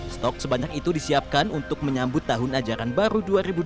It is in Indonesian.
stok sebanyak itu disiapkan untuk menyambut tahun ajaran baru dua ribu dua puluh dua ribu dua puluh satu